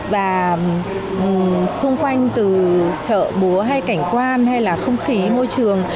và xung quanh từ chợ búa hay cảnh quan hay là không khí môi trường